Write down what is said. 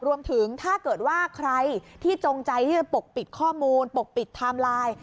รวมถึงถ้าเกิดว่าใครที่จงใจที่จะปกปิดข้อมูลปกปิดไทม์ไลน์